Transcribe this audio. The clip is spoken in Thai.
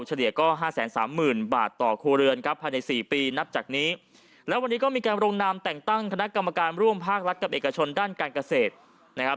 เฉลี่ยก็ห้าแสนสามหมื่นบาทต่อครัวเรือนครับภายในสี่ปีนับจากนี้แล้ววันนี้ก็มีการลงนามแต่งตั้งคณะกรรมการร่วมภาครัฐกับเอกชนด้านการเกษตรนะครับ